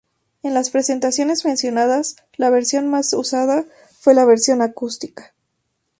En las presentaciones mencionadas, la versión más usada fue la versión acústica.